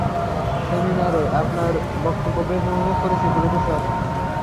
সেমিনারে আপনার বক্তব্য বেশ উপভোগ করেছি, প্রফেসর!